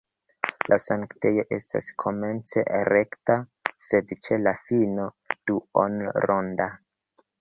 La sanktejo estas komence rekta, sed ĉe la fino duonronda.